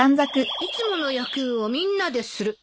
「いつもの野球をみんなでする」